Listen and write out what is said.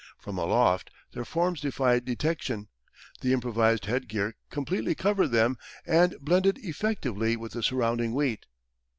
From aloft their forms defied detection: the improvised headgear completely covered them and blended effectively with the surrounding wheat.